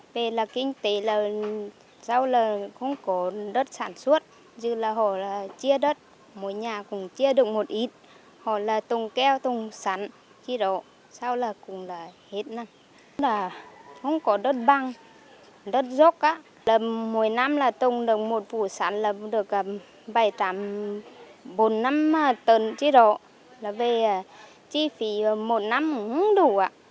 đất rốc lần mỗi năm là tùng được một vụ sản lập được bảy tám bốn năm tần chế độ là về chi phí một năm không đủ